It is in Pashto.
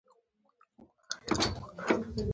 خلک د خپلو چشمو پۀ انتها کښې ګوري -